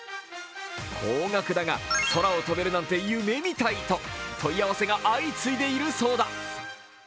高額だが、空を飛べるなんて夢みたいと問い合わせが相次いでいるそうだ。